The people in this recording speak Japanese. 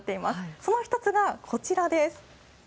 その一つがこちらです。